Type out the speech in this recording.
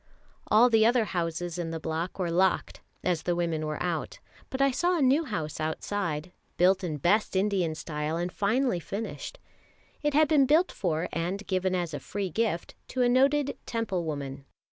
All the other houses in the block were locked as the women were out; but I saw a new house outside, built in best Indian style, and finely finished. It had been built for, and given as a free gift, to a noted Temple woman.